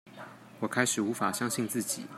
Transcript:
我開始無法相信自己